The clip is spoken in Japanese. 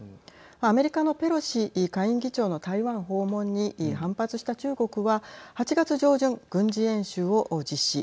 アメリカのペロシ下院議長の台湾訪問に反発した中国は８月上旬軍事演習を実施。